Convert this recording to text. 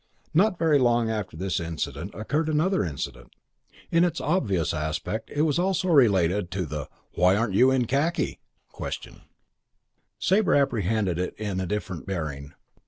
IV Not very long after this incident occurred another incident. In its obvious aspect it was also related to the "Why aren't you in khaki?" question; Sabre apprehended in it a different bearing.